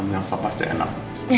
kamu yang sok pasti enak